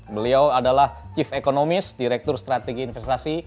beliau adalah chief economist direktur strategi investasi